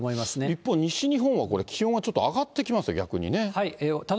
一方、西日本はこれ、気温はちょっと上がってきました、